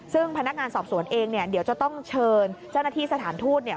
ซึ่งพนักงานสอบสวนเองเดี๋ยวจะต้องเชิญเจ้านัทที่สถานธุตร